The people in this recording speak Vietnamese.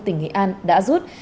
tỉnh nghệ an đã rút